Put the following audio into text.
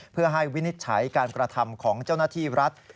เพื่อให้วินิจฉัยการกระทำของเจ้าหน้าที่รัฐ